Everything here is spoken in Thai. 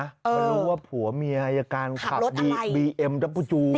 มารู้ว่าผัวเมียอายการขับบีเอ็มดับผู้จู